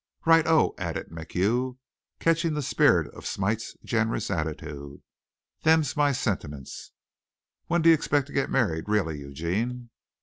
"Right oh," added MacHugh, catching the spirit of Smite's generous attitude. "Them's my sentiments. When d'you expect to get married really, Eugene?"